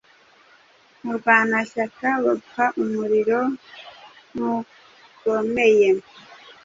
Murwanashyaka bapfa umuriro ntukomeye